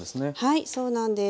はいそうなんです。